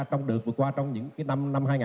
trong đợt vừa qua trong những năm nay